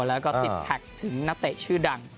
แล้วก็ติดแท็กถึงนักเตะชื่อดัง